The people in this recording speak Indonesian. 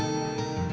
aku mau ke rumah